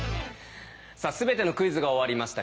さあ全てのクイズが終わりました。